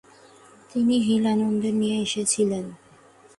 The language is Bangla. তিনি হিলান্দারে নিয়ে এসেছিলেন।